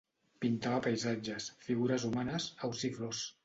Pintava paisatges, figures humanes, aus i flors.